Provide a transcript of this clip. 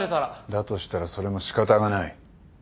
だとしたらそれも仕方がない。